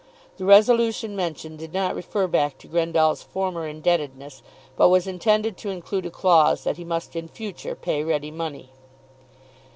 The resolution mentioned did not refer back to Grendall's former indebtedness, but was intended to include a clause that he must in future pay ready money.